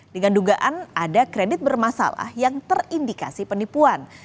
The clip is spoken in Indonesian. dengan dugaan ada kredit bermasalah yang terindikasi penipuan